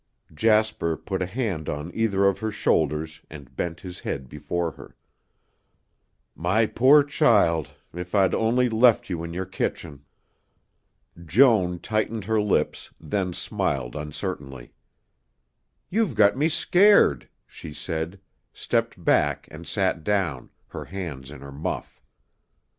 Jasper put a hand on either of her shoulders and bent his head before her. "My poor child if I'd only left you in your kitchen!" Joan tightened her lips, then smiled uncertainly. "You've got me scared," she said, stepped back and sat down, her hands in her muff.